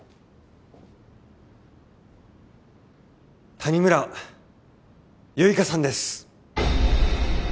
谷村結花さんです。